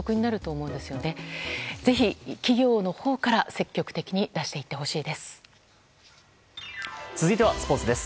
ぜひ、企業のほうから積極的に出していってほしいです。